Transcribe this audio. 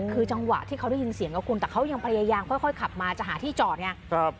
คือจังหวะที่เขาได้ยินเสียงกับคุณแต่เขายังพยายามค่อยขับมาจะหาที่จอดไง